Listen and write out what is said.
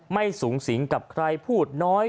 ไม่สูงสิงกับใครพูดน้อย